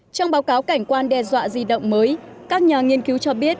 trong báo cáo cảnh quan đe dọa di động mới các nhà nghiên cứu cho biết